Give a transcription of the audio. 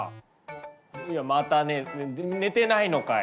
いやまた寝る寝てないのかい！